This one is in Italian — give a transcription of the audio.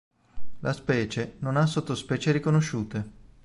La specie non ha sottospecie riconosciute.